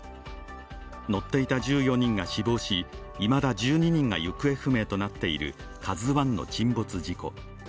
乗っていた１４人が死亡し、いまだ１２人が行方不明となっている「ＫＡＺＵⅠ」の沈没事故。